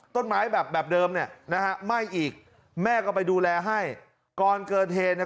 ต้นไม้แบบแบบเดิมเนี่ยนะฮะไหม้อีกแม่ก็ไปดูแลให้ก่อนเกิดเหตุเนี่ย